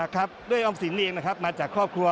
ครับด้วยออมสินเองนะครับมาจากครอบครัว